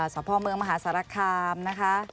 สพเมืองมหาศาลค่ะ